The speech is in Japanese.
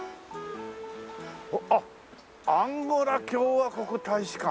あっ「アンゴラ共和国大使館」。